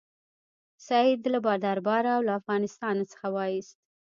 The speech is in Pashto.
سید له درباره او له افغانستان څخه وایست.